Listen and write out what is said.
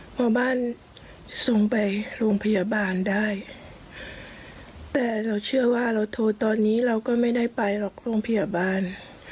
พอบ้านส่งไปโรงพยาบาลได้แต่เราเชื่อว่าเราโทรตอนนี้เราก็ไม่ได้ไปหรอกโรงพยาบาล